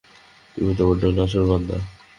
তুমি তো বড্ড নাছোড়বান্দা।